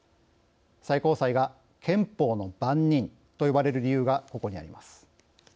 最高裁が憲法の番人と呼ばれる理由がここにあります。